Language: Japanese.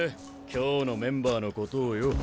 今日のメンバーのことをよ。